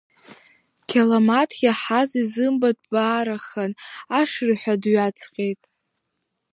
Қьаламаҭ иаҳаз изымбатәбарахан, ашырҳәа дҩаҵҟьеит.